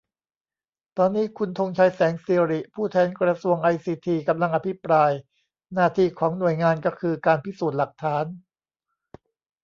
ตอนนี้ คุณธงชัย แสงสิริ ผู้แทนกระทรวงไอซีที กำลังอภิปราย หน้าที่ของหน่วยก็คือ การพิสูจน์หลักฐาน